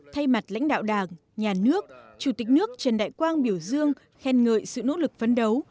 thay mặt lãnh đạo đảng nhà nước chủ tịch nước trần đại quang biểu dương khen ngợi sự nỗ lực phấn đấu